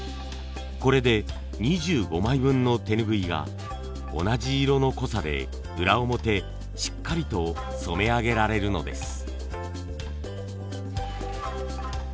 これで２５枚分の手ぬぐいが同じ色の濃さで裏表しっかりと染め上げられるのです。